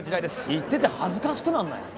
言ってて恥ずかしくなんないの？